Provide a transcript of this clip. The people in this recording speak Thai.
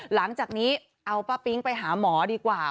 หลังจากนี้เอาป้าปิ๊งไปหาหมอดีกว่า